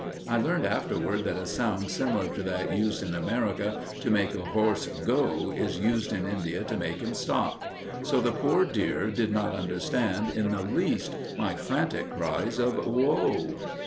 I learned afterward that a sound similar to that used in America to make a horse go is used in India to make him stop. So the poor dear did not understand in the least my frantic cries of "Whoa!"